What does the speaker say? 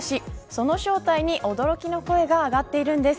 その正体に驚きの声が上がっているんです。